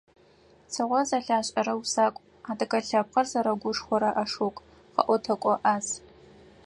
Цыгъо зэлъашӀэрэ усакӀу, адыгэ лъэпкъыр зэрыгушхорэ ашуг, къэӀотэкӀо Ӏаз.